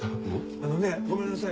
あのねごめんなさい